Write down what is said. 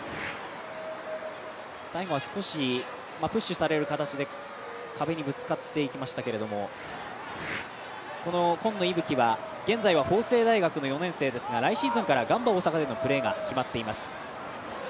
最後は少しプッシュされる形で壁にぶつかっていきましたけれどもこの今野息吹は現在は法政大学の４年生ですが来シーズンからガンバ大阪でのプレーが決まっています。